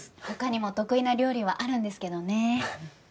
他にも得意な料理はあるんですけどね。